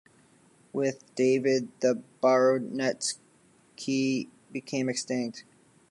With David, the baronetcy became extinct.